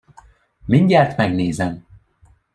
Mindjárt megnézem.